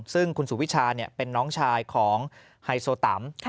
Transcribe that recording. ซึ่งคุณสุวิชาเป็นน้องชายของไฮโซตัม